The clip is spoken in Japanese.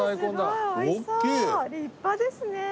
立派ですね。